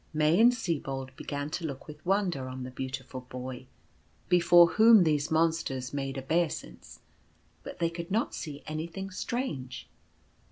May and Sibold began to look with wonder on the Beautiful Boy, before whom these monsters made obeis ance; but they could not see anything strange.